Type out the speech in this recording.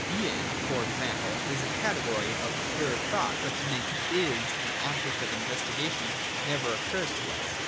Being, for example, is a category of pure thought : but to make ' Is ' an object of investigation never occurs to us.